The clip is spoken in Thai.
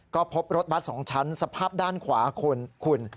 ก็พบรถบัสสองชั้นสภาพด้านขวาคุณ